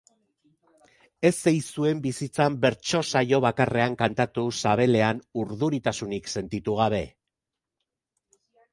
Ez ei zuen bizitzan bertso saio bakarrean kantatu sabelean urduritasunik sentitu gabe.